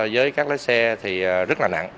với các lái xe thì rất là nặng